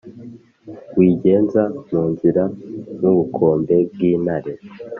Wigenza mu nzira, nk’ubukombe bw’intare,